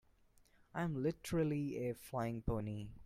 I'm literally a flying pony.